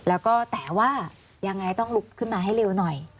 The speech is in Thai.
แล้วก็แต่ว่ายังไงต้องลุกขึ้นมาให้เร็วหน่อย